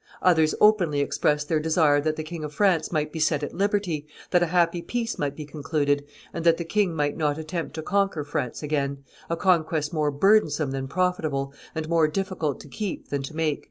Others openly expressed their desire that the King of France might be set at liberty, that a happy peace might be concluded, and that the king might not attempt to conquer France again, a conquest more burdensome than profitable, and more difficult to keep than to make."